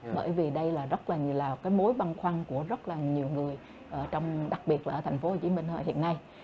bởi vì đây là mối băng khoăn của rất nhiều người đặc biệt là ở tp hcm hiện nay